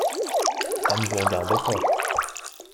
Ça ne vous regarde pas.